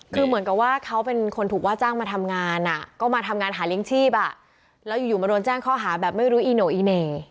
คือเหมือนกับว่าเขาเป็นคนถูกว่าจ้างมาทำงานก็มาทำงานหาเลี้ยงชีพแล้วอยู่มาโดนแจ้งข้อหาแบบไม่รู้อีโน่อีเหน่